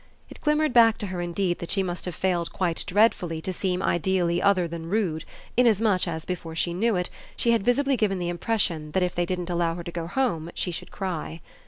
It glimmered back to her indeed that she must have failed quite dreadfully to seem ideally other than rude, inasmuch as before she knew it she had visibly given the impression that if they didn't allow her to go home she should cry.